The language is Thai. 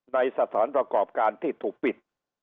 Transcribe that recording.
ในสถานประกอบการที่ถูกปิด